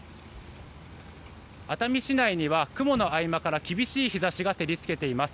熱海市内には雲の合間から厳しい日差しが照りつけています。